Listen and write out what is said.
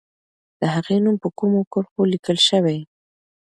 د هغې نوم په کومو کرښو لیکل سوی؟